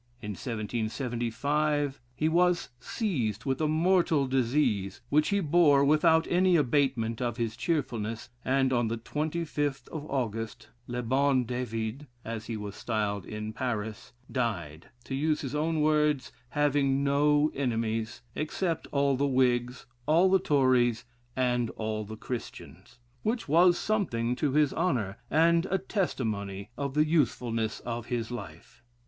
In 1775 he was seized with a mortal disease, which he bore without any abatement of his cheerfulness; and on the 25th of August, "le bon David," as he was styled in Paris, died, to use his own words, having "no enemies except all the Whigs, all the Tories, and all the Christians" which was something to his honor, and a testimony of the usefulness of his life.